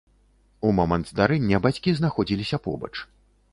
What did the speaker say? У момант здарэння бацькі знаходзіліся побач.